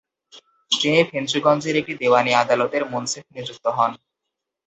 তিনি ফেঞ্চুগঞ্জের একটি দেওয়ানী আদালতের মুন্সেফ নিযুক্ত হন।